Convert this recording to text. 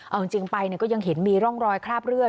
เอาจริงไปก็ยังเห็นมีร่องรอยคราบเรื